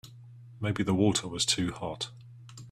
Maybe the water was too hot.